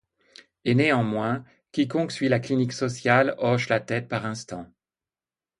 Et néanmoins, quiconque suit la clinique sociale hoche la tête par instants.